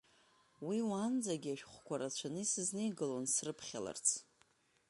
Уи, уаанӡагьы ашәҟәқәа рацәаны исызнеигалон срыԥхьаларц.